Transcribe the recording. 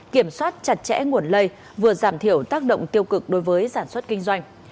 kiểm soát chặt chẽ nguồn lây vừa giảm thiểu tác động tiêu cực đối với sản xuất kinh doanh